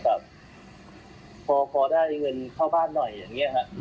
แต่พอได้เงินเข้าบ้านหน่อยอย่างนี้ครับ